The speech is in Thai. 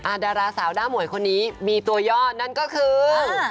ดาราสาวหน้าหมวยคนนี้มีตัวยอดนั่นก็คือ